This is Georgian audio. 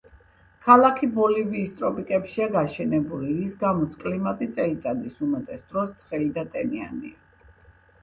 ქალაქი ბოლივიის ტროპიკებშია გაშენებული, რის გამოც კლიმატი წელიწადის უმეტეს დროს ცხელი და ტენიანია.